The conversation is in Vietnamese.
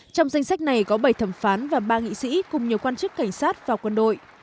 trong danh sách này có bảy thẩm phán và ba nghị sĩ cùng nhiều quan chức cảnh sát và quân đội